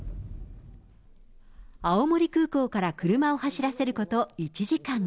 青森空港から車を走らせること１時間。